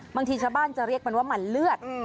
บางทีชาวบ้านจะเรียกมันว่ามันเลือด